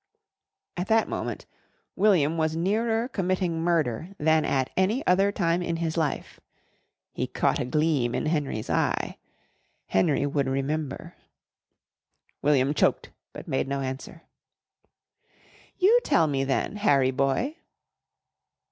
At that moment William was nearer committing murder than at any other time in his life. He caught a gleam in Henry's eye. Henry would remember. William choked but made no answer. "You tell me then, Harry boy."